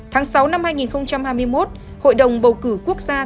tháng sáu năm hai nghìn hai mươi một hội đồng bầu cử quốc gia